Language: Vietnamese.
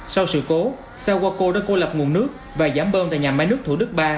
sau sự cố xe qua cô đã cô lập nguồn nước và giảm bơm tại nhà máy nước thủ đức ba